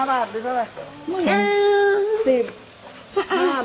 บาทหรือเท่าไหร่